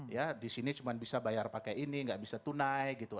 ya di sini cuma bisa bayar pakai ini nggak bisa tunai gitu